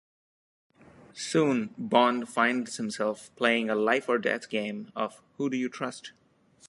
Soon, Bond finds himself playing a life-or-death game of Who do You Trust?